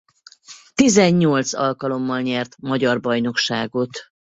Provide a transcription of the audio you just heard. Tizennyolc alkalommal nyert magyar bajnokságot.